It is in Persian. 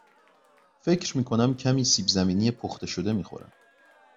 فکر می کنم کمی سیب زمینی پخته شده می خورم.